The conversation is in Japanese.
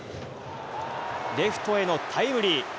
レフトへのタイムリー。